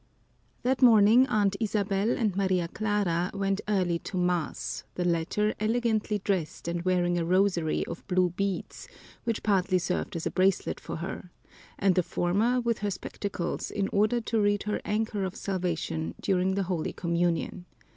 That morning Aunt Isabel and Maria Clara went early to mass, the latter elegantly dressed and wearing a rosary of blue beads, which partly served as a bracelet for her, and the former with her spectacles in order to read her Anchor of Salvation during the holy communion.